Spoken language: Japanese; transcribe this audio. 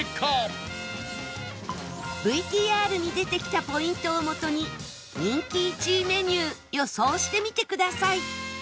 ＶＴＲ に出てきたポイントをもとに人気１位メニュー予想してみてください